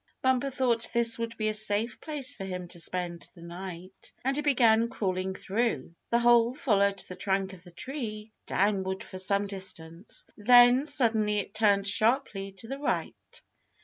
Bumper thought this would be a safe place for him to spend the night, and he began crawling through. The hole followed the trunk of the tree downward for some distance. Then suddenly it turned sharply to the right.